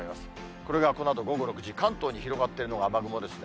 これがこのあと午後６時、関東に広がっているのが雨雲ですね。